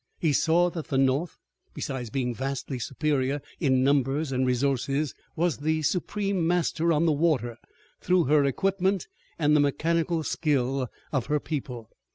He saw that the North, besides being vastly superior in numbers and resources, was the supreme master on the water through her equipment and the mechanical skill of her people.